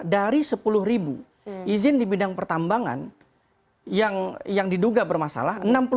dari sepuluh ribu izin di bidang pertambangan yang diduga bermasalah